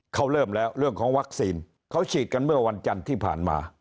เขาเริ่มแล้วเรื่องของวัคซีนเขาฉีดกันเมื่อวันจันทร์ที่ผ่านมา